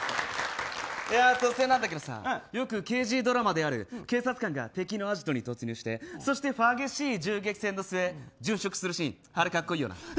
突然なんだけどよく刑事ドラマである警察官が敵のアジトに突入して激しい銃撃戦の末殉職するシーンあれ格好いいよな。